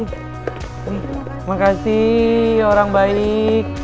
terima kasih orang baik